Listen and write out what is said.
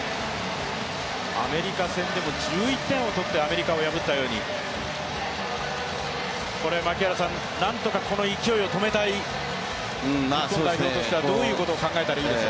アメリカ戦でも１１点を取ってアメリカを破ったように、なんとかこの勢いを止めたい日本代表としてはどういうことを考えたらいいです。